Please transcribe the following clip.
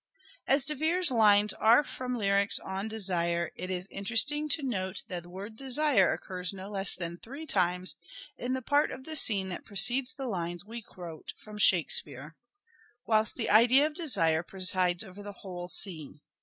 As De Vere's lines are from lyrics on Desire it is interesting to note that the word " desire " occurs no less than three times in the part of the scene that precedes the lines we quote from " Shakespeare," i8a " SHAKESPEARE " IDENTIFIED whilst the idea of Desire presides over the whole scene.